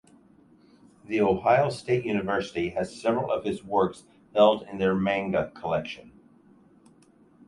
The Ohio State University has several of his works held in their Manga Collection.